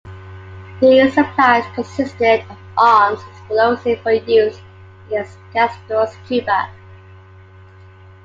These supplies consisted of arms and explosives for use against Castro's Cuba.